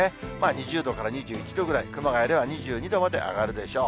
２０度から２１度ぐらい、熊谷では２２度まで上がるでしょう。